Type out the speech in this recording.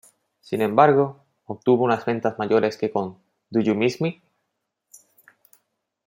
Sin embargo, obtuvo unas ventas mayores que con ""Do You Miss Me?